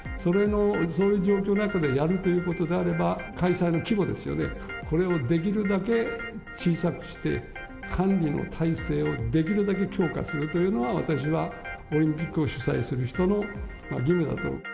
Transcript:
そういう状況の中でやるということであれば、開催の規模をですね、これをできるだけ小さくして管理の体制をできるだけ強化するというのは、私はオリンピックを主催する人の義務だと。